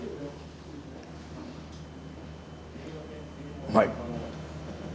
うまい！